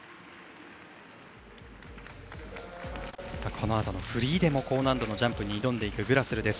このあとのフリーでも高難度のジャンプに挑んでいくグラスルです。